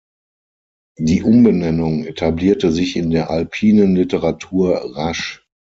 Die Umbenennung etablierte sich in der alpinen Literatur rasch.